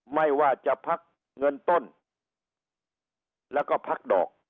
ไม่ว่าจะพักเงินต้นแล้วก็พักดอก